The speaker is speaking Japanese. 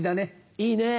いいね。